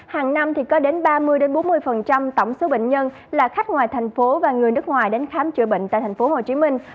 hàng năm có đến ba mươi bốn mươi tổng số bệnh nhân là khách ngoài thành phố và người nước ngoài đến khám chữa bệnh tại thành phố hồ chí minh